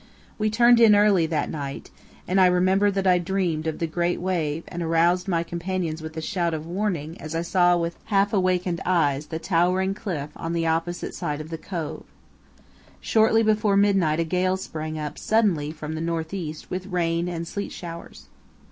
We turned in early that night, and I remember that I dreamed of the great wave and aroused my companions with a shout of warning as I saw with half awakened eyes the towering cliff on the opposite side of the cove. Shortly before midnight a gale sprang up suddenly from the north east with rain and sleet showers.